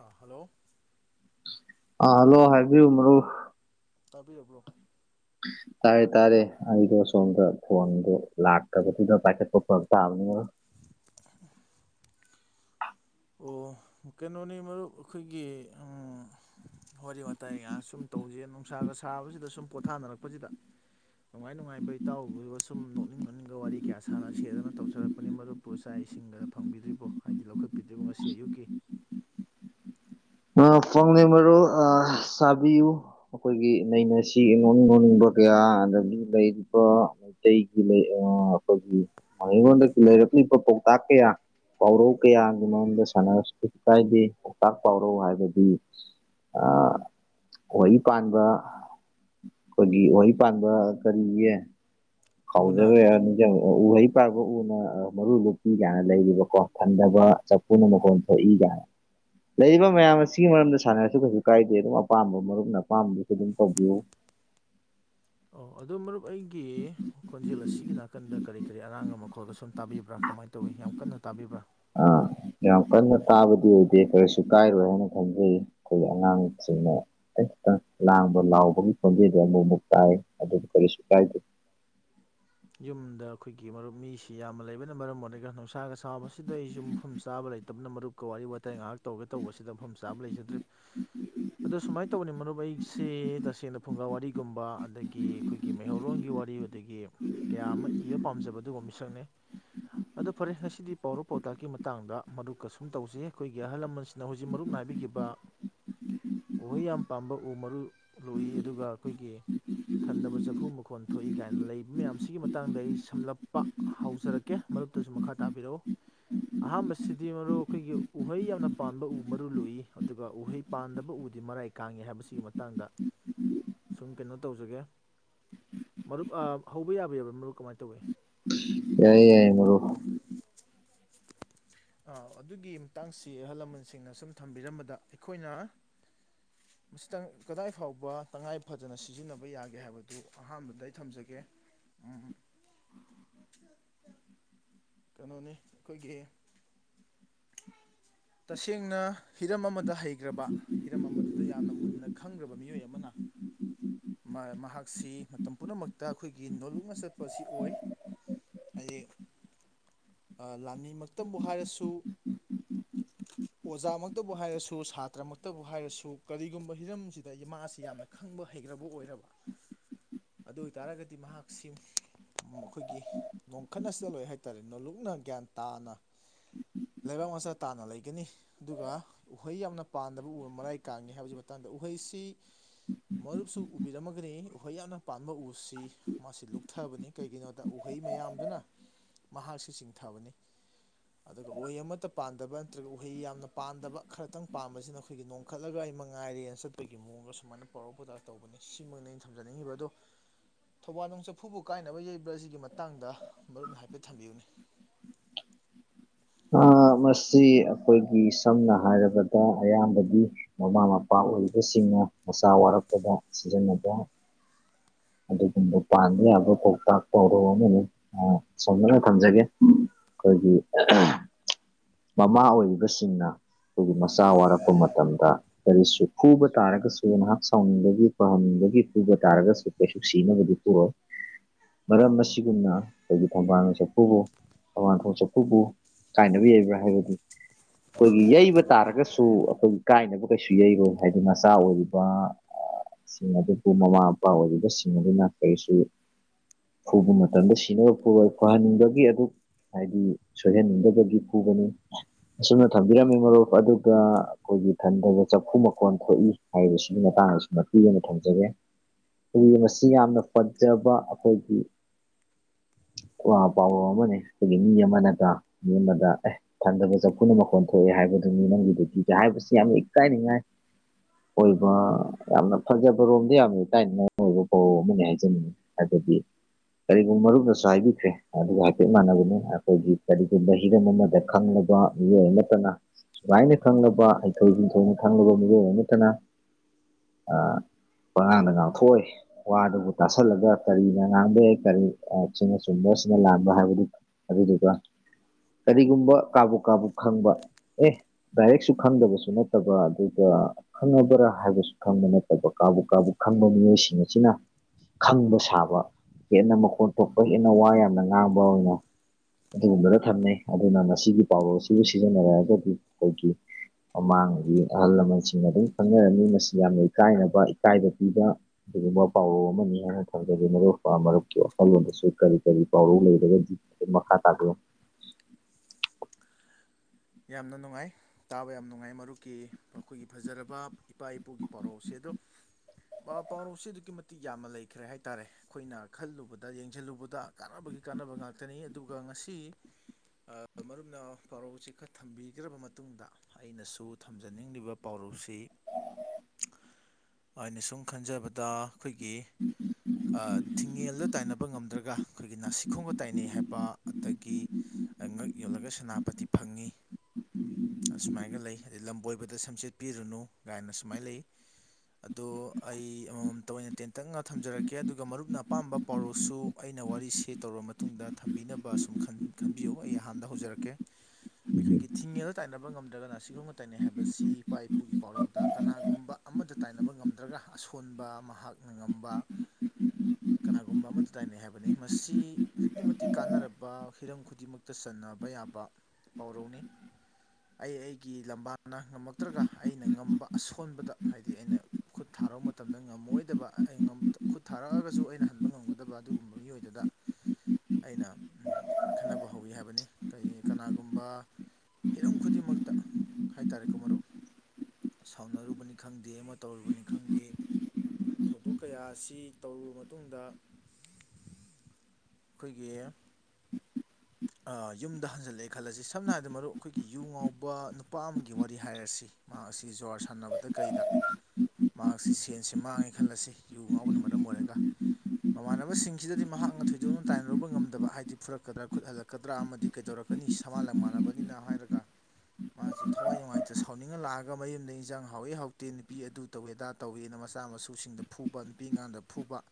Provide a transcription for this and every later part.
ꯑꯥ hello ꯑ hello ꯍꯥꯏꯕꯤꯌꯨ ꯃꯔꯨꯞ ꯇꯥꯕꯤꯔꯕ꯭ꯔꯣ ꯇꯥꯔꯦ ꯇꯥꯔꯦ ꯑꯩꯗꯁꯣꯝꯗ ꯐꯣꯟꯗꯨ ꯂꯥꯛꯇꯕꯗꯨꯗ ꯄꯥꯏꯈꯠꯄ ꯐꯔꯛꯇꯥꯕꯅꯤ ꯑꯣ ꯀꯩꯅꯣꯅꯤ ꯃꯔꯨꯞ ꯑꯩꯈꯣꯏꯒꯤ ꯋꯥꯔꯤ ꯋꯥꯇꯥꯏ ꯉꯥꯏ ꯁꯨꯝ ꯇꯧꯁꯦ ꯅꯨꯡꯁꯥꯒ ꯁꯥꯕꯁꯤꯗ ꯁꯨꯝ ꯄꯣꯊꯥꯅꯔꯛꯄꯁꯤꯗ ꯅꯨꯡꯉꯥꯏ ꯅꯨꯡꯉꯥꯏꯕ ꯏꯇꯥꯎꯗꯨꯒ ꯁꯨꯝ ꯅꯣꯛꯅꯤꯡ ꯅꯣꯛꯅꯤꯡꯒ ꯋꯥꯔꯤ ꯀꯌꯥ ꯁꯥꯟꯅ ꯁꯦꯗꯅ ꯇꯧꯖꯔꯛ ꯅꯤ ꯃꯔꯨꯞꯄꯨ ꯆꯥꯛ ꯏꯁꯤꯡꯒꯗ ꯐꯪꯕꯤꯗ꯭ꯔꯤꯕꯣ ꯍꯥꯏꯗꯤ ꯂꯧꯈꯠꯄꯤꯗ꯭ꯔꯤꯕꯣ ꯉꯁꯤ ꯑꯌꯨꯛꯀꯤ ꯐꯪꯅꯤ ꯃꯔꯨꯞ ꯁꯕꯤꯌꯨ ꯑꯩꯈꯣꯏꯒꯤ ꯅꯩꯅꯁꯤ ꯅꯣꯅꯤꯡ ꯅꯣꯅꯤꯡꯕ ꯀꯌꯥ ꯑꯗꯒꯤ ꯂꯩꯔꯤꯕ ꯑꯩꯒꯤ ꯂꯩ ꯑꯩꯈꯣꯏꯒꯤ ꯃꯩꯍꯧꯔꯣꯟꯗꯒꯤ ꯂꯩꯔꯛꯂꯤꯕ ꯄꯥꯎꯇꯥꯛ ꯀꯌꯥ ꯄꯥꯎꯔꯧ ꯀꯌꯥꯒꯤ ꯃꯔꯝꯗ ꯁꯥꯟꯅꯕꯁꯨ ꯀꯥꯏꯗꯦ ꯄꯥꯎꯔꯧ ꯍꯥꯏꯕꯗꯤ ꯑꯨꯍꯩ ꯄꯥꯟꯕ ꯑꯩꯈꯣꯏꯒꯤ ꯎꯍꯩ ꯄꯥꯟꯕ ꯀꯔꯤꯒꯦ ꯎꯅ ꯀꯥꯎꯅꯒ꯭ꯔꯦ ꯑ ꯎꯍꯩ ꯄꯥꯕ ꯎꯅ ꯃꯔꯨ ꯂꯨꯞꯄꯤ ꯀꯥꯏꯅ ꯂꯩꯔꯤꯕꯀꯣ ꯊꯟꯗꯕ ꯄꯨꯅ ꯃꯒꯣꯟ ꯊꯣꯛꯏꯒ ꯂꯩꯔꯤꯕ ꯃꯌꯥꯝ ꯑꯁꯤꯒꯤ ꯃꯔꯝꯗ ꯁꯥꯟꯅꯔꯁꯨ ꯀꯩꯁꯨ ꯀꯥꯏꯗꯦ ꯑꯗꯨꯝ ꯑꯄꯥꯝꯕ ꯃꯔꯨꯞꯅ ꯑꯄꯥꯝꯕꯗꯨꯁꯨ ꯑꯗꯨꯝ ꯇꯧꯕꯤꯌꯨ ꯑꯣ ꯑꯗꯣ ꯃꯔꯨꯞ ꯑꯩꯒꯤ ꯈꯣꯟꯖꯦꯜ ꯑꯁꯤꯒꯤ ꯅꯥꯀꯟꯗ ꯀꯔꯤ ꯀꯔꯤ ꯑꯔꯥꯡ ꯑꯃ ꯃꯈꯣꯜꯒ ꯁꯨꯝ ꯇꯥꯕꯤꯕ꯭ꯔꯥ ꯀꯃꯥꯏꯅ ꯇꯧꯋꯤ ꯌꯥꯝ ꯀꯟꯅ ꯇꯥꯕꯤꯕ꯭ꯔꯥ ꯑꯥ ꯌꯥꯝ ꯀꯟꯅ ꯇꯥꯕꯗꯤ ꯑꯣꯏꯗꯦ ꯀꯔꯤꯁꯨ ꯀꯥꯏꯔꯣꯏ ꯍꯥꯏꯅ ꯈꯟꯖꯩ ꯑꯩꯈꯣꯏꯒꯤ ꯑꯉꯥꯡꯁꯤꯡꯅ [unintelligible] ꯂꯥꯡꯕ ꯂꯥꯎꯕꯒꯤ ꯄꯣꯝꯖꯦꯗ ꯑꯃꯨꯛ ꯑꯃꯨꯛ ꯇꯥꯏ ꯑꯗꯨꯕꯨ ꯀꯔꯤꯁꯨ ꯀꯥꯏꯗꯦ ꯌꯨꯝꯗ ꯑꯩꯈꯣꯏꯒꯤ ꯃꯔꯨꯞ ꯃꯤꯁꯤ ꯌꯥꯝꯅ ꯂꯩꯕꯅ ꯃꯔꯝ ꯑꯣꯏꯔꯒ ꯅꯨꯡꯁꯥꯒ ꯁꯥꯎꯕꯁꯤꯗ ꯑꯩꯁꯨ ꯃꯐꯝ ꯆꯥꯕ ꯂꯩꯇꯦ ꯇꯕꯅ ꯃꯔꯨꯞꯀ ꯋꯥꯔꯤ ꯋꯥꯇꯥꯏ ꯉꯥꯏꯍꯥꯛ ꯇꯧꯒ ꯇꯧꯕꯁꯤꯗ ꯃꯐꯝ ꯆꯥꯕ ꯂꯩꯖꯗ꯭ꯔꯦ ꯑꯗ ꯁꯨꯃꯥꯏꯅ ꯇꯧꯕꯅꯤ ꯃꯔꯨꯞ ꯑꯩꯁꯦ ꯇꯁꯦꯡꯅ ꯐꯨꯡꯒꯥ ꯋꯥꯔꯤꯒꯨꯝꯕ ꯑꯗꯒꯤ ꯑꯩꯈꯣꯏꯒꯤ ꯃꯩꯍꯧꯔꯣꯟꯜꯒꯤ ꯋꯥꯔꯤ ꯑꯗꯒꯤ ꯀꯌꯥ ꯑꯃ ꯏꯕ ꯄꯥꯝꯖꯕ ꯑꯗꯨꯒꯨꯝꯕ ꯃꯤꯁꯛꯅꯤ ꯑꯗꯣ ꯐꯔꯦ ꯉꯁꯤꯗꯤ ꯄꯥꯎꯔ ꯄꯥꯎꯇꯥꯛꯀꯤ ꯃꯇꯥꯡꯗ ꯃꯗꯨ ꯀꯁꯨꯝ ꯇꯧꯖꯤ ꯑꯩꯈꯣꯏꯒꯤ ꯑꯍꯜ ꯂꯃꯟꯁꯤꯡ ꯅ ꯍꯧꯖꯤꯛ ꯃꯔꯨꯞꯅ ꯍꯥꯏꯕꯤꯈꯤꯕ ꯎꯍꯩ ꯌꯥꯝ ꯄꯥꯝꯕ ꯎ ꯃꯔꯨ ꯂꯨꯏ ꯑꯗꯨꯒ ꯑꯩꯈꯣꯏꯒꯤ ꯊꯟꯗꯕ ꯆꯐꯨ ꯃꯈꯣꯟ ꯊꯣꯛꯏ ꯀꯥꯏꯅ ꯂꯩꯕ ꯃꯌꯥꯝꯁꯤ ꯒꯤ ꯃꯇꯥꯡꯗ ꯑꯩ ꯁꯝꯂꯞꯄ ꯍꯧꯖꯔꯛꯀꯦ ꯃꯔꯇꯁꯨ ꯃꯈꯥ ꯇꯥꯕꯤꯔꯛꯎ ꯑꯍꯝꯕꯁꯤꯗꯤ ꯃꯔꯨꯞ ꯑꯩꯈꯣꯏꯒꯤ ꯎꯍꯩ ꯌꯥꯝꯅ ꯄꯥꯟꯕꯥ ꯎ ꯃꯔꯨ ꯂꯣꯛꯏ ꯑꯗꯨꯒ ꯎꯍꯩ ꯄꯥꯟꯗꯕ ꯎꯗꯤ ꯃꯔꯥꯏ ꯀꯉꯤ ꯍꯥꯏꯕꯁꯤꯒꯤ ꯃꯇꯥꯡꯗ ꯁꯨꯝ ꯀꯩꯅꯣ ꯇꯧꯖꯒꯦ ꯃꯔꯨꯞ ꯍꯧꯕ ꯌꯥꯕ ꯌꯥꯕ꯭ꯔꯥ ꯃꯔꯨꯞ ꯀꯃꯥꯏꯅ ꯇꯧꯏꯤ ꯌꯥꯏꯌꯦ ꯌꯥꯏ ꯃꯔꯨꯞ ꯑꯗꯨꯒꯤ ꯃꯇꯥꯡꯁꯤ ꯑꯍꯜ ꯂꯃꯟꯁꯤꯡꯅ ꯁꯨꯝ ꯊꯝꯕꯤꯔꯝꯕꯗ ꯑꯩꯈꯣꯏꯅ ꯃꯁꯤꯇ ꯀꯗꯥꯏ ꯐꯥꯎꯕ ꯇꯉꯥꯏ ꯐꯗꯅ ꯁꯤꯖꯤꯟꯅꯕ ꯌꯥꯒꯦ ꯍꯥꯏꯕꯗꯨ ꯑꯍꯥꯟꯕꯗ ꯑꯩ ꯊꯝꯖꯒꯦ ꯎꯝ ꯀꯩꯅꯣꯅꯤ ꯑꯩꯈꯣꯏꯒꯤ ꯇꯁꯦꯡꯅ ꯍꯤꯔꯝ ꯑꯃꯗ ꯍꯩꯈ꯭ꯔꯕ ꯍꯤꯔꯝ ꯑꯃꯗꯨꯗ ꯌꯥꯝꯅ ꯃꯨꯟꯅ ꯈꯪꯈ꯭ꯔꯕ ꯃꯤꯑꯣꯏ ꯑꯃꯅ ꯃꯍꯥꯛꯁꯤ ꯃꯇꯝ ꯄꯨꯝꯅꯃꯛꯇ ꯑꯩꯈꯣꯏꯒꯤ ꯅꯣꯂꯨꯛꯅ ꯆꯠꯄ ꯑꯁꯤ ꯑꯣꯏ ꯍꯌꯦꯡ ꯂꯥꯟꯃꯤꯃꯛꯇꯕꯨ ꯍꯥꯏꯔꯁꯨ ꯑꯣꯖꯥꯃꯛꯇꯕꯨ ꯍꯥꯏꯔꯁꯨ ꯁꯥꯇ꯭ꯔꯃꯛꯇꯕꯨ ꯍꯥꯏꯔꯁꯨ ꯀꯔꯤꯒꯨꯝꯕ ꯍꯤꯔꯝꯁꯤꯗ ꯃꯥꯁꯤ ꯌꯥꯝꯅ ꯈꯪꯕ ꯍꯩꯔꯕ ꯑꯣꯏꯔꯕ ꯑꯗꯨ ꯑꯣꯏꯇꯥꯔꯒꯗꯤ ꯃꯍꯥꯛꯁꯤ ꯃꯈꯣꯏꯒꯤ ꯅꯣꯡꯈꯠꯅ ꯆꯠ ꯂꯣꯏ ꯍꯥꯏ ꯅꯣꯂꯨꯛꯅ ꯒ꯭ꯌꯥꯟ ꯇꯥꯅ ꯂꯩꯕꯥꯛ ꯃꯆꯥ ꯇꯥꯅ ꯂꯩꯒꯅꯤ ꯑꯗꯨꯒ ꯎꯍꯩ ꯌꯥꯝꯅ ꯄꯥꯟꯗꯕ ꯎ ꯃꯔꯥꯏ ꯀꯥꯡꯉꯤ ꯍꯥꯏꯕꯁꯤ ꯃꯇꯥꯡꯗ ꯎꯍꯩꯁꯤ ꯃꯔꯨꯞꯁꯨ ꯎꯕꯤꯔꯝꯃꯒꯅꯤ ꯎꯍꯩ ꯌꯥꯝꯅ ꯄꯥꯟꯕ ꯎꯁꯤ ꯃꯥꯁꯤ ꯂꯨꯞꯊꯕꯅꯤ ꯀꯩꯒꯤꯅꯣꯗ ꯎꯍꯩ ꯃꯌꯥꯝꯗꯨꯅ ꯃꯍꯥꯛꯁꯤ ꯆꯤꯡꯊꯕꯅꯤ ꯑꯗꯨꯒ ꯎꯍꯩ ꯑꯃꯠꯇ ꯄꯥꯟꯗꯕ ꯅꯠꯇ꯭ꯔꯒ ꯎꯍꯩ ꯌꯥꯝꯅ ꯄꯥꯗꯕ ꯈꯔꯇꯪ ꯄꯥꯟꯕꯁꯤꯅ ꯑꯩꯈꯣꯏꯒꯤ ꯅꯣꯡ ꯀꯈꯠꯂꯒ ꯑꯩ ꯃ ꯉꯥꯏꯔꯦꯅ ꯆꯠꯄꯒꯤ ꯃꯑꯣꯡꯒ ꯁꯨꯃꯥꯏꯅ ꯄꯧꯔꯥꯎ ꯄꯇ ꯇꯧꯕꯅꯤ ꯁꯤꯃꯛꯅ ꯑꯩꯅ ꯊꯝꯖꯅꯤꯡꯉꯤꯕ ꯑꯗꯣ ꯊꯧꯕꯥꯜꯗꯣꯡ ꯆꯐꯨꯕꯨ ꯀꯥꯏꯅꯕ ꯌꯩꯕ ꯑꯁꯤꯒꯤ ꯃꯇꯥꯡꯗ ꯃꯔꯨꯞꯅ ꯍꯥꯏꯐꯦꯠ ꯊꯝꯕꯤꯌꯨꯅꯦ ꯃꯁꯤ ꯑꯩꯈꯣꯏꯒꯤ ꯁꯝꯅ ꯍꯥꯏꯔꯕꯗ ꯑꯌꯥꯝꯕꯗꯤ ꯃꯃꯥ ꯃꯄꯥ ꯑꯣꯏꯔꯤꯕꯁꯤꯡꯅ ꯃꯆꯥ ꯋꯥꯔꯛꯄꯗ ꯁꯤꯖꯤꯟꯅꯕ ꯑꯗꯨꯒꯨꯝꯕ ꯄꯥꯟꯕ ꯌꯥꯕ ꯄꯧꯇꯥꯛ ꯄꯥꯎꯔꯧ ꯑꯃꯅꯤ ꯁꯝꯂꯥꯞꯅ ꯊꯝꯖꯒꯦ ꯑꯩꯈꯣꯏꯒꯤ ꯃꯃꯥ ꯑꯣꯏꯔꯤꯕꯁꯤꯡꯅ ꯑꯩꯈꯣꯏꯒꯤ ꯃꯆꯥ ꯋꯥꯔꯛꯄ ꯃꯇꯝ ꯃꯇꯝꯗ ꯀꯔꯤꯁꯨ ꯐꯨꯕ ꯇꯥꯔꯒꯁꯨ ꯉꯍꯥꯛ ꯁꯥꯎꯅꯤꯡꯕꯒꯤ ꯐꯍꯟꯅꯤꯡꯕꯒꯤ ꯐꯕ ꯇꯥꯔꯒꯁꯨ ꯀꯩꯁꯨ ꯁꯤꯅꯕꯗꯤ ꯄꯨꯔꯣꯏ ꯃꯔꯝ ꯑꯁꯤꯒꯨꯝꯅ ꯑꯩꯈꯣꯏꯒꯤ ꯊꯧꯕꯥꯜꯗꯣꯡꯒꯤ ꯆꯥꯐꯨꯕꯨ ꯊꯧꯕꯥꯜꯊꯣꯡ ꯆꯐꯨꯕꯨ ꯀꯥꯏꯅꯕ ꯌꯩꯕ꯭ꯔꯥ ꯍꯥꯏꯕꯗꯤ ꯑꯈꯣꯏꯒꯤ ꯌꯩꯕ ꯇꯥꯔꯒꯁꯨ ꯑꯈꯣꯏꯒꯤ ꯀꯥꯏꯅꯕ ꯀꯩꯁꯨ ꯌꯩꯔꯣꯏ ꯍꯥꯏꯗꯤ ꯃꯆꯥ ꯑꯣꯏꯔꯤꯕ ꯁꯤꯡ ꯑꯗꯨꯕꯨ ꯃꯃꯥ ꯃꯄꯥ ꯑꯣꯏꯔꯤꯕ ꯁꯤꯡ ꯑꯗꯨꯅ ꯀꯩꯁꯨ ꯐꯨꯕ ꯃꯇꯝꯗ ꯁꯤꯅꯕ ꯐꯍꯟꯅꯤꯡꯕꯒꯤ ꯑꯗꯨꯝ ꯍꯥꯏꯗꯤ ꯁꯣꯏꯍꯟꯅꯤꯡꯗꯕꯁꯨ ꯄꯨꯕꯅꯤ ꯑꯁꯨꯝꯅ ꯊꯝꯕꯤꯔꯝꯃꯤ ꯃꯔꯨꯞ ꯑꯗꯨꯒ ꯑꯩꯈꯣꯏꯒꯤ ꯊꯟꯗꯕ ꯆꯐꯨ ꯃꯈꯣꯟ ꯊꯣꯛꯏ ꯍꯥꯏꯕꯁꯤꯒꯤ ꯃꯇꯥꯡꯗꯁꯨ ꯃꯇꯦꯛ ꯑꯃ ꯊꯝꯖꯒꯦ ꯃꯁꯤ ꯌꯥꯝꯅ ꯐꯖꯕ ꯑꯩꯈꯣꯏꯒꯤ [inaudible] ꯄꯥꯎꯔꯧ ꯑꯃꯅꯦ ꯑꯗꯨꯒꯤ ꯃꯤ ꯑꯃꯅꯒ ꯃꯤ ꯑꯃꯒ ꯑꯦ ꯊꯟꯗꯕ ꯆꯐꯨꯅ ꯃꯈꯣꯟ ꯊꯣꯛꯑꯦ ꯍꯥꯏꯕꯗꯨꯅꯤ ꯅꯪꯒꯤ ꯗꯨꯇꯤꯗ ꯍꯥꯏꯕꯁꯤ ꯌꯥꯝꯅ ꯏꯀꯥꯏꯅꯤꯡꯉꯥꯏ ꯑꯣꯏꯕ ꯌꯥꯝꯅ ꯐꯖꯕꯔꯣꯝꯗꯤ ꯌꯥꯝ ꯏꯀꯥꯏꯅꯤꯡꯉꯥꯏ ꯑꯣꯏꯕ ꯄꯥꯎꯔꯧ ꯑꯃꯅꯤ ꯍꯥꯏꯖꯅꯤꯡꯉꯤ ꯑꯗꯨꯗꯤ ꯀꯔꯤꯒꯨꯝꯕ ꯃꯔꯨꯞꯅꯁꯨ ꯍꯥꯏꯕꯤꯈ꯭ꯔꯦ ꯑꯗꯨ ꯍꯥꯏꯐꯦꯠ ꯃꯥꯟꯅꯕꯅꯤ ꯑꯩꯈꯣꯏꯒꯤ ꯀꯔꯤꯒꯨꯝꯕ ꯍꯤꯔꯝ ꯑꯃꯗ ꯈꯪꯂꯕ ꯃꯤꯑꯣꯏ ꯑꯃꯠꯇꯅ ꯁꯨꯃꯥꯏꯅ ꯈꯪꯂꯕ ꯍꯩꯊꯣꯏ ꯁꯤꯡꯊꯣꯢꯅ ꯈꯪꯂꯕ ꯃꯤꯑꯣꯏ ꯑꯃꯠꯇꯅ ꯄꯉꯥꯡꯗ ꯉꯥꯡꯊꯣꯛꯑꯣꯏ ꯋꯥꯗꯨꯕꯨ ꯇꯥꯁꯜꯂꯒ ꯀꯔꯤꯅ ꯉꯥꯡꯕ ꯌꯥꯏ ꯀꯔꯤ ꯆꯨꯝꯕ ꯁꯤꯅ ꯂꯥꯟꯕ ꯍꯥꯏꯕꯗꯨ ꯑꯗꯨꯗꯨꯒ ꯀꯔꯤꯒꯨꯝꯕ ꯀꯥꯕꯨ ꯀꯥꯕꯨ ꯈꯪꯕ ꯑꯦ ꯗꯥꯏꯔꯦꯛꯁꯨ ꯈꯪꯗꯕꯁꯨ ꯅꯠꯇꯕ ꯑꯗꯨꯒ ꯈꯪꯉꯕ꯭ꯔꯥ ꯍꯥꯏꯕꯁꯨ ꯈꯪꯕ ꯅꯠꯇꯕ ꯀꯥꯡꯕꯨ ꯀꯥꯡꯕꯨ ꯈꯪꯕ ꯃꯤꯑꯣꯏꯁꯤꯡ ꯑꯁꯤꯅ ꯈꯪꯕ ꯁꯥꯕ ꯍꯦꯟꯅ ꯃꯈꯣꯟ ꯊꯣꯛꯄ ꯍꯦꯟꯅ ꯋꯥ ꯌꯥꯝꯅ ꯉꯥꯡꯕ ꯑꯣꯏꯅ ꯑꯗꯨꯒꯨꯝꯕꯗ ꯊꯝꯅꯩ ꯑꯗꯨꯅ ꯉꯁꯤꯒꯤ ꯄꯥꯎ ꯑꯁꯤꯕꯨ ꯁꯤꯖꯤꯟꯅꯔꯒꯗꯤ ꯑꯩꯈꯣꯏꯒꯤ ꯃꯃꯥꯡꯉꯒꯤ ꯑꯍꯜ ꯂꯃꯟꯁꯤꯡꯅ ꯑꯗꯨꯝ ꯈꯪꯅꯔꯝꯃꯤ ꯃꯁꯤ ꯌꯥꯝꯅ ꯏꯀꯥꯏꯅꯕ ꯏꯀꯥꯏꯕ ꯄꯤꯕ ꯑꯗꯨꯒꯨꯝꯕ ꯄꯥꯎꯔꯧ ꯑꯃꯅꯤ ꯍꯥꯏꯅ ꯊꯝꯖꯒꯦ ꯃꯔꯨꯞꯄ ꯃꯔꯨꯞꯀꯤ ꯋꯥꯈꯜꯂꯣꯟꯗꯁꯨ ꯀꯔꯤ ꯀꯔꯤ ꯄꯥꯎꯔꯧ ꯂꯩꯔꯒꯗꯤ ꯃꯈꯥ ꯇꯥꯥꯕꯤꯌꯨ ꯌꯥꯝꯅ ꯅꯨꯉꯥꯏ ꯇꯥꯕ ꯌꯥꯝ ꯅꯨꯡꯉꯥꯏ ꯃꯔꯨꯞꯀꯤ ꯑꯈꯣꯏꯒꯤ ꯐꯖꯔꯕ ꯏꯄꯥ ꯏꯄꯨꯒꯤ ꯄꯥꯎꯔꯧꯁꯦ ꯑꯗꯣ ꯄꯥ ꯄꯥꯎꯔꯧꯁꯤ ꯑꯗꯨꯛꯀꯤ ꯃꯇꯤꯛ ꯌꯥꯝꯃ ꯂꯩꯈ꯭ꯔꯦ ꯍꯥꯏꯇꯥꯔꯦ ꯈꯣꯏꯅ ꯈꯜꯂꯨꯕꯗ ꯌꯦꯡꯖꯜꯂꯨꯕꯗ ꯀꯥꯟꯅꯕꯒꯤ ꯀꯥꯟꯅꯕ ꯉꯥꯛꯇꯅꯤ ꯑꯗꯨꯒ ꯉꯁꯤ ꯑꯥ ꯃꯔꯨꯞꯅ ꯄꯥꯎꯔꯧꯁꯤ ꯈꯠ ꯊꯝꯕꯤꯒꯔꯕ ꯃꯇꯨꯡꯗ ꯑꯩꯅꯁꯨ ꯊꯝꯖꯅꯤꯡꯂꯤꯕ ꯄꯥꯎꯔꯧꯁꯤ ꯑꯩꯅ ꯁꯨꯝ ꯈꯟꯖꯕꯗ ꯈꯣꯏꯒꯤ [unintelligible] ꯑꯥ ꯊꯤꯡꯉꯦꯜꯗ ꯇꯥꯏꯅꯕ ꯉꯝꯗ꯭ꯔꯒ ꯈꯣꯏꯒꯤ ꯅꯥꯁꯤꯈꯣꯡꯒ ꯇꯥꯏꯅꯩ ꯍꯥꯏꯕ ꯑꯗꯒꯤ ꯑꯩ ꯉꯛ ꯌꯣꯜꯂꯒ ꯁꯦꯅꯥꯄꯇꯤ ꯐꯪꯉꯤ ꯑꯁꯨꯃꯥꯏꯒ ꯂꯩ ꯑꯗꯩ ꯂꯝꯕꯣꯏꯕꯗ ꯁꯝꯆꯦꯠ ꯄꯤꯔꯨꯅꯨ ꯒꯥꯏꯅ ꯁꯨꯃꯥꯏ ꯂꯩ ꯑꯗꯣ ꯑꯩ ꯑꯃꯃꯝꯇ ꯑꯣꯏꯅ ꯇꯦꯟꯇꯛꯅ ꯊꯝꯖꯔꯛꯀꯦ ꯑꯗꯨꯒ ꯃꯔꯨꯞꯅ ꯑꯄꯥꯝꯕ ꯄꯥꯎꯔꯣꯁꯨ ꯑꯩꯅ ꯋꯥꯔꯤꯁꯤ ꯇꯧꯔ ꯃꯇꯨꯡꯗ ꯊꯝꯕꯤꯅꯕ ꯁꯨꯝ ꯈꯟ ꯈꯝꯕꯤꯌꯨ ꯑꯩ ꯑꯍꯥꯟꯕꯗ ꯍꯧꯖꯔꯛꯀꯦ ꯑꯩꯈꯣꯏꯒꯤ ꯊꯤꯡꯉꯦꯜꯒ ꯇꯥꯏꯅꯕ ꯉꯝꯗ꯭ꯔꯒ ꯅꯥꯁꯤꯒꯣꯡꯒ ꯇꯥꯏꯅꯩ ꯍꯥꯏꯕꯁꯤ ꯏꯄꯥ ꯏꯄꯨꯒꯤ ꯄꯥꯎꯔꯧꯗ ꯀꯅꯥꯒꯨꯝꯕ ꯑꯃꯗ ꯇꯥꯏꯅꯕ ꯉꯝꯗ꯭ꯔꯒ ꯑꯁꯣꯟꯕ ꯃꯍꯥꯛꯅ ꯉꯝꯕ ꯀꯅꯥꯒꯨꯝꯕ ꯑꯃꯗ ꯇꯥꯏꯅꯩ ꯍꯥꯏꯕꯅꯤ ꯃꯁꯤ ꯑꯗꯨꯛꯀꯤ ꯃꯇꯤꯛ ꯀꯥꯟꯅꯔꯕ ꯍꯤꯔꯝ ꯈꯨꯗꯤꯡꯃꯛ ꯇ ꯆꯟꯅꯕ ꯌꯥꯕ ꯄꯥꯎꯔꯧꯅꯤ ꯑꯩ ꯑꯩꯒꯤ ꯂꯝꯕꯥꯅ ꯉꯝꯃꯛꯇ꯭ꯔꯒ ꯑꯩꯅ ꯉꯝꯕ ꯑꯁꯣꯟꯕꯗ ꯍꯥꯏꯗꯤ ꯑꯩꯅ ꯈꯨꯠ ꯊꯥꯔꯛ ꯃꯇꯝꯗ ꯉꯝꯃꯣꯏꯗꯕ ꯑꯩ ꯉꯝ ꯈꯨꯠ ꯊꯥꯔꯑꯒꯁꯨ ꯑꯩꯅ ꯍꯟꯕ ꯉꯝꯒꯗꯕ ꯑꯗꯨꯒꯨꯝꯕ ꯃꯤꯑꯣꯏ ꯗꯦꯗ ꯑꯩꯅ ꯈꯠꯅꯕ ꯍꯧꯋꯤ ꯍꯥꯏꯕꯅꯤ ꯀꯔꯤ ꯀꯅꯥꯛ ꯒꯨꯝꯕ ꯍꯤꯔꯝ ꯈꯨꯗꯤꯡꯃꯛꯇ ꯍꯥꯏꯇꯥꯔꯦꯀꯣ ꯃꯔꯨꯞ ꯁꯥꯎꯅꯔꯨꯕꯅꯤ ꯈꯪꯗꯦ ꯑꯃ ꯇꯧꯔꯨꯕꯅꯤ ꯈꯪꯗꯦ ꯊꯧꯗꯣꯛ ꯀꯌꯥ ꯑꯁꯤ ꯇꯧꯔꯨꯔ ꯃꯇꯨꯡꯗ ꯈꯣꯏꯒꯤ ꯑꯥ ꯌꯨꯝꯗ ꯍꯟꯖꯜꯂꯦꯛ ꯈꯜꯂꯖꯤ ꯁꯝꯅ ꯍꯥꯏꯕꯗ ꯃꯔꯨꯞ ꯈꯣꯏꯒꯤ ꯌꯨ ꯉꯥꯎꯕ ꯅꯨꯄꯥ ꯑꯃꯒꯤ ꯋꯥꯔꯤ ꯍꯥꯏꯔꯁꯤ ꯃꯍꯥꯛ ꯑꯁꯤ ꯖꯨꯋꯥꯔ ꯁꯥꯟꯅꯕ ꯗ ꯀꯩꯗ ꯃꯍꯥꯛꯁꯤ ꯁꯦꯟꯁꯤ ꯃꯥꯡꯉꯦ ꯈꯜꯂꯁꯤ ꯌꯨ ꯉꯥꯎꯕꯅ ꯃꯔꯝ ꯑꯣꯏꯔꯒ ꯃꯃꯥꯟꯅꯕꯁꯤꯡꯁꯤꯗꯗꯤ ꯃꯍꯥꯛꯅ ꯊꯣꯏꯗꯣꯛꯅ ꯇꯥꯏꯅꯔꯨꯕ ꯉꯝꯗꯕ ꯍꯥꯏꯗꯤ ꯐꯨꯔꯛꯀꯗ꯭ꯔꯥ ꯈꯨꯠ ꯍꯜꯂꯛꯀꯗ꯭ꯔꯥ ꯑꯃꯗꯤ ꯀꯩꯗꯧꯔꯛ ꯀꯅꯤ ꯁꯃꯥꯟ ꯂꯦꯡꯃꯥꯟꯅꯕꯅꯤꯅ ꯍꯥꯏꯔꯒ ꯃꯥꯁꯤ ꯊꯋꯥꯏ ꯅꯨꯉꯥꯏꯇ ꯁꯥꯎꯅꯤꯡꯉ ꯂꯥꯛꯑꯒ ꯃꯌꯨꯝꯗ ꯍꯤꯟꯖꯥꯡ ꯍꯥꯎꯋꯤ ꯍꯥꯎꯇꯦ ꯅꯨꯄꯤ ꯑꯗꯨ ꯇꯧꯋꯦ ꯑꯗꯥ ꯇꯧꯋꯤꯅ ꯃꯆꯥ ꯃꯁꯨꯁꯤꯡꯗ ꯐꯨꯕ ꯅꯨꯄꯤ ꯑꯉꯥꯡꯗ ꯐꯨꯕ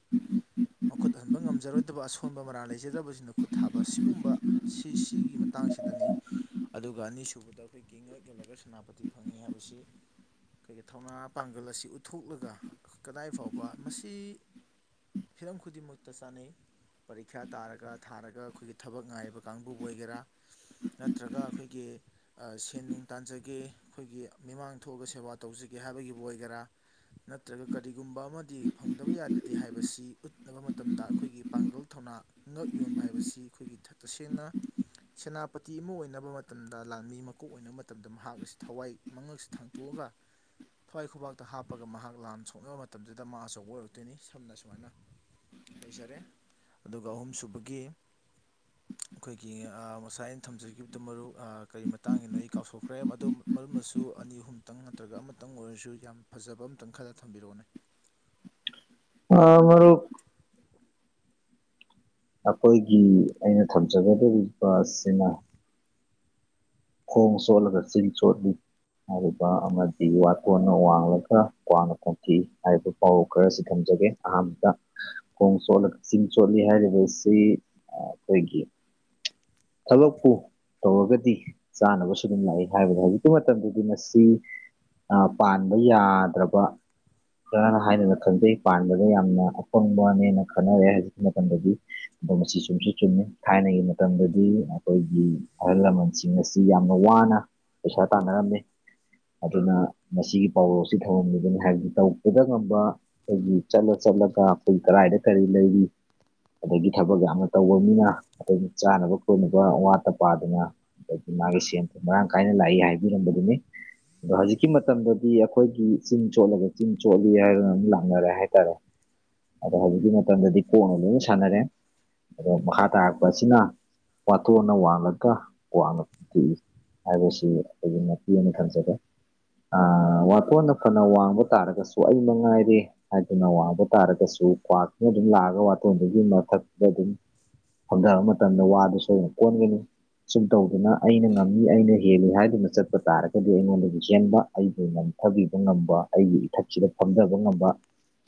ꯃꯈꯨꯠ ꯍꯟꯕ ꯉꯝꯖꯔꯣꯏꯗꯕ ꯑꯁꯣꯟꯕ ꯃꯔꯥꯜ ꯂꯩꯖꯗꯕꯁꯤꯡꯅ ꯈꯨꯠ ꯊꯥꯕ ꯁꯤꯒꯨꯝꯕ ꯁꯤ ꯁꯤꯒꯤ ꯃꯠ ꯇꯥꯡꯁꯤꯗꯅꯤ ꯑꯗꯨꯒ ꯑꯅꯤꯁꯨꯕꯗ ꯑꯈꯣꯏꯒꯤ ꯉꯛ ꯌꯣꯜꯂꯒ ꯁꯦꯅꯥꯄꯇꯤ ꯐꯪꯉꯤ ꯍꯥꯏꯕꯁꯤ ꯈꯣꯏꯒꯤ ꯊꯧꯅꯥ ꯄꯥꯡꯒꯜ ꯑꯁꯤ ꯎꯠꯊꯣꯛꯂꯒ ꯀꯗꯥꯏ ꯐꯥꯎꯕ ꯃꯁꯤ ꯍꯤꯔꯝ ꯈꯨꯗꯤꯡꯃꯛꯇ ꯆꯥꯅꯩ ꯄꯔꯤꯈ꯭ꯌꯥ ꯇꯥꯔꯒ ꯊꯥꯔꯒ ꯈꯣꯏꯒꯤ ꯊꯕꯛ ꯉꯥꯏꯔꯤꯕ ꯀꯥꯡꯕꯨꯕꯨ ꯑꯣꯏꯒꯦꯔꯥ ꯅꯠꯇ꯭ꯔꯒ ꯑꯈꯣꯏꯒꯤ ꯑ ꯁꯦꯟ ꯅꯨꯡ ꯇꯥꯟꯖꯒꯦ ꯑꯈꯣꯏꯒꯤ ꯃꯤꯃꯥꯡ ꯊꯣꯛꯑꯒ ꯁꯦꯕꯥ ꯇꯧꯖꯒꯦ ꯍꯥꯏꯕꯒꯤꯕꯨ ꯑꯣꯏꯒꯦꯔꯥ ꯅꯠꯇ꯭ꯔꯒ ꯀꯔꯤꯒꯨꯝꯕ ꯑꯃꯗꯤ ꯐꯪꯗꯕ ꯌꯥꯗꯦ ꯍꯥꯏꯕꯁꯤ ꯎꯠꯅꯕ ꯃꯇꯝꯗ ꯑꯈꯣꯏꯒꯤ ꯄꯥꯡꯒꯜ ꯊꯧꯅꯥ ꯉꯛ ꯌꯣꯟꯕ ꯍꯥꯏꯕꯁꯤ ꯈꯣꯏꯒꯤ ꯊ ꯇꯁꯦꯡꯅ ꯁꯦꯅꯥꯄꯇꯤ ꯑꯃ ꯑꯣꯏꯅꯕ ꯃꯇꯝꯗ ꯂꯥꯟꯃꯤ ꯃꯀꯣꯛ ꯑꯣꯏꯅꯕ ꯃꯇꯝꯗ ꯃꯍꯥꯛ ꯑꯁꯤ ꯊꯋꯥꯏ ꯃꯉꯛꯁꯤ ꯊꯥꯡꯇꯣꯑꯒ ꯊꯋꯥꯏ ꯈꯨꯕꯥꯛꯇ ꯍꯥꯞꯄꯒ ꯃꯍꯥꯛ ꯂꯥꯟ ꯁꯣꯛꯅꯕ ꯃꯇꯝꯗꯨꯗ ꯃꯥ ꯑꯆꯧꯕ ꯑꯣꯏꯔꯛꯇꯣꯏꯅꯤ ꯁꯝꯅ ꯁꯨꯃꯥꯏꯅ ꯂꯩꯖꯔꯦ ꯑꯗꯨꯒ ꯑꯍꯨꯝꯁꯨꯨꯕꯒꯤ ꯑꯩꯈꯣꯏꯒꯤ ꯑꯥ ꯃꯠ ꯉꯁꯥꯏ ꯑꯩꯅ ꯊꯝꯖꯈꯤꯕꯗꯨ ꯃꯔꯨꯞ ꯑꯥ ꯀꯔꯤ ꯃꯇꯥꯡꯒꯤꯅꯣ ꯑꯩ ꯀꯥꯎꯊꯣꯛꯈ꯭ꯔꯦ ꯃꯗꯨꯝ ꯃꯔꯨꯞꯅꯁꯨ ꯑꯅꯤ ꯑꯍꯨꯝꯇꯪ ꯅꯠꯇ꯭ꯔꯒ ꯑꯃꯇꯪ ꯑꯣꯏꯔꯁꯨ ꯌꯥꯝ ꯐꯖꯕ ꯑꯃꯇꯪ ꯈꯜꯂ ꯊꯝꯕꯤꯔꯛꯑꯣꯅꯦ ꯑꯥ ꯃꯔꯨꯞ ꯑꯈꯣꯏꯒꯤ ꯑꯩꯅ ꯊꯝꯖꯒꯗꯧꯔꯤꯕ ꯑꯁꯤꯅ ꯈꯣꯡ ꯆꯣꯠꯂꯒ ꯆꯤꯟ ꯆꯣꯠꯂꯤ ꯍꯥꯏꯔꯤꯕ ꯑꯃꯗꯤ ꯋꯥꯇꯣꯟꯅ ꯋꯥꯡꯂꯒ ꯀ꯭ꯋꯥꯛꯅ ꯐꯝꯇꯦꯛꯏ ꯍꯥꯏꯔꯤꯕ ꯄꯥꯎꯔꯧ ꯈꯔꯁꯤ ꯊꯝꯖꯒꯦ ꯑꯍꯥꯟꯕꯗ ꯈꯣꯡ ꯆꯣꯠꯂꯒ ꯆꯤꯡ ꯆꯣꯠꯂꯤ ꯍꯥꯏꯔꯤꯕꯁꯤ ꯑꯥ ꯑꯈꯣꯏꯒꯤ ꯊꯕꯛꯄꯨ ꯇꯧꯔꯒꯗꯤ ꯆꯥꯅꯕꯁꯨ ꯑꯗꯨꯝ ꯂꯥꯛꯏ ꯍꯥꯏꯕꯅꯤ ꯍꯧꯖꯤꯛꯀꯤ ꯃꯇꯝꯗꯗꯤ ꯃꯁꯤ ꯑꯥ ꯄꯥꯟꯕ ꯌꯥꯗ꯭ꯔꯕ [unintelligible] ꯍꯥꯏꯅꯒ ꯈꯪꯖꯩ ꯄꯥꯟꯕꯗ ꯌꯥꯝꯅ ꯑꯄꯪꯕꯅꯦꯅ ꯈꯟꯅꯔꯦ ꯍꯧꯖꯤꯛꯀꯤ ꯃꯇꯝꯗꯗꯤ ꯑꯗꯣ ꯃꯁꯤ ꯆꯨꯝꯁꯨ ꯆꯨꯝꯃꯤ ꯊꯥꯏꯅꯒꯤ ꯃꯇꯝꯗ ꯗꯤ ꯑꯈꯣꯏꯒꯤ ꯑꯍꯜ ꯂꯃꯟꯁꯤꯡ ꯑꯁꯤ ꯌꯥꯝꯅ ꯋꯥꯅ ꯄꯩꯁꯥ ꯇꯥꯟꯅꯔꯝꯃꯤ ꯑꯗꯨꯅ ꯃꯁꯤꯒꯤ ꯄꯥꯎꯔꯧ ꯑꯁꯤ ꯊꯝꯂꯝꯂꯤꯕꯅꯤ ꯍꯥꯏꯕꯗꯨ ꯇꯧꯒꯦꯗ ꯉꯝꯕ ꯑꯈꯣꯏꯒꯤ ꯆꯠꯂ ꯆꯠꯂꯒ ꯑꯈꯣꯏ ꯀꯔꯥꯏꯗ ꯀꯔꯤ ꯂꯩꯔꯤ ꯑꯗꯒꯤ ꯊꯕꯛ ꯌꯥꯝꯅ ꯇꯧꯕ ꯃꯤꯅ ꯑꯈꯣꯏꯒꯤ ꯆꯥꯅꯕ ꯊꯣꯛꯂꯤꯕ ꯋꯥꯠꯇ ꯄꯥꯗꯅ ꯑꯗꯒꯤ ꯃꯥꯒꯤ ꯁꯦꯟ ꯊꯨꯝ ꯃꯔꯥꯡ ꯀꯥꯏꯅ ꯂꯥꯛꯏ ꯍꯥꯏꯕꯤꯔꯝꯕꯗꯨꯅꯤ ꯑꯗꯣ ꯍꯧꯖꯤꯛꯀꯤ ꯃꯇꯝꯗꯗꯤ ꯑꯩꯈꯣꯏꯒꯤ ꯆꯤꯟ ꯆꯣꯠꯂꯒ ꯆꯤꯟ ꯆꯣꯠꯂꯤ ꯍꯥꯏꯗꯅ ꯑꯃꯨꯛ ꯂꯥꯛꯅꯔꯦ ꯍꯥꯏꯇꯥꯔꯦ ꯑꯗꯣ ꯍꯧꯖꯤꯛꯀꯤ ꯃꯇꯝꯗꯗꯤ ꯀꯣꯛꯅ ꯂꯣꯏꯅ ꯁꯥꯟꯅꯔꯦ ꯑꯗꯣ ꯃꯈꯥ ꯇꯥꯔꯛꯄ ꯑꯁꯤꯅ ꯋꯥꯊꯣꯟꯅ ꯋꯥꯡꯂꯒ ꯀ꯭ꯋꯥꯛꯅ‌ ꯐꯝꯇꯦꯛꯏ ꯍꯥꯏꯕꯁꯤ ꯑꯩꯈꯣꯏꯒꯤ ꯃꯇꯦꯛ ꯑꯃ ꯊꯝꯖꯒꯦ ꯑꯥ ꯋꯥꯇꯣꯟꯅ ꯐꯅ ꯋꯥꯡꯕ ꯇꯥꯔꯒꯁꯨ ꯑꯩꯩ ꯃꯉꯥꯏꯔꯦ ꯍꯥꯏꯗꯨꯅ ꯋꯥꯡꯕ ꯇꯥꯔꯒꯁꯨ ꯀ꯭ꯋꯥꯛꯇꯨꯅ ꯑꯗꯨꯝ ꯂꯥꯛꯑꯒ ꯋꯥꯇꯣꯟꯗꯨꯒꯤ ꯃꯊꯛꯇ ꯑꯗꯨꯝ ꯐꯝꯗꯕ ꯃꯇꯝꯗ ꯋꯥꯗꯨ ꯁꯣꯏꯗꯅ ꯀꯣꯟꯒꯅꯤ ꯁꯨꯝ ꯇꯧꯗꯅ ꯑꯩꯅ ꯉꯝꯃꯤ ꯑꯩꯅ ꯍꯦꯜꯂꯤ ꯍꯥꯏꯗꯨꯅ ꯆꯠꯄ ꯇꯥꯔꯒꯗꯤ ꯑꯩꯉꯣꯟꯗꯒꯤ ꯍꯦꯟꯕ ꯑꯩꯕꯨ ꯅꯝꯊꯕꯤꯕ ꯉꯝꯕ ꯑꯩꯒꯤ ꯏꯊꯛꯁꯤꯗ ꯐꯝꯗꯕ ꯉꯝꯕ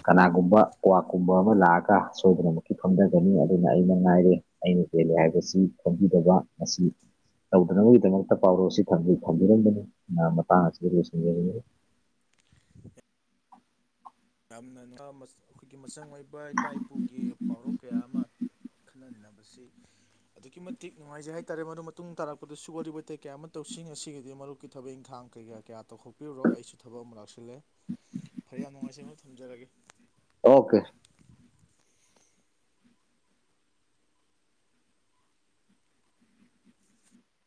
ꯀꯅꯥꯒꯨꯝꯕ ꯀ꯭ꯋꯥꯛꯀꯨꯝꯕ ꯑꯃ ꯂꯥꯛꯑꯒ ꯁꯣꯏꯗꯅꯃꯛꯀꯤ ꯐꯝꯗꯒꯅꯤ ꯑꯗꯨꯅ ꯑꯩꯅ ꯃꯉꯥꯏꯔꯦ ꯑꯩꯅ ꯍꯦꯜꯂꯦ ꯍꯥꯏꯕꯁꯤ ꯈꯪꯕꯤꯗꯕ ꯃꯁꯤ ꯇꯧꯗꯅꯕꯒꯤꯗꯃꯛꯇ ꯄꯥꯎꯔꯣ ꯑꯁꯤ ꯊꯝꯕꯤ ꯊꯝꯕꯤꯔꯝꯕꯅꯤ ꯗꯨꯅ ꯃꯇꯥꯡ ꯑꯁꯤꯗ ꯂꯣꯏꯁꯤꯟꯖꯔꯒꯦ ꯌꯥꯝꯅ [unintelligible] ꯑꯩꯈꯣꯏꯒꯤ ꯃꯆꯪ ꯑꯣꯏꯕ ꯏꯄꯥ ꯏꯄꯨꯒꯤ ꯄꯥꯎꯔꯧ ꯀꯌꯥ ꯑꯃ ꯈꯟꯅ ꯅꯩꯅꯕꯁꯤ ꯑꯗꯨꯛꯀꯤ ꯃꯇꯤꯛ ꯅꯨꯡꯉꯥꯏꯖꯩ ꯍꯥꯏꯇꯥꯔꯦ ꯃꯔꯨꯞ ꯃꯇꯨꯡ ꯇꯥꯔꯛꯄꯗꯁꯨ ꯋꯥꯔꯤ ꯋꯥꯇꯥꯏ ꯀꯌꯥ ꯑꯃ ꯇꯧꯁꯤ ꯉꯁꯤꯒꯤꯗꯤ ꯃꯔꯨꯞꯀꯤ ꯊꯕꯛ ꯏꯪꯈꯥꯡ ꯀꯩꯀꯥ ꯀꯌꯥ ꯇꯧꯊꯣꯛꯄꯤꯔꯨꯔꯣ ꯑꯩꯁꯨ ꯊꯕꯛ ꯑꯃ ꯂꯥꯛꯁꯤꯜꯂꯦ ꯐꯔꯦ ꯌꯥꯝ ꯅꯨꯡꯉꯥꯏꯖꯩ ꯃꯔꯨꯞ ꯊꯝꯖꯔꯒꯦ ꯑꯣꯀꯦ